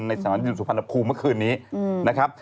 สถานยืนสุพรรณภูมิเมื่อคืนนี้นะครับ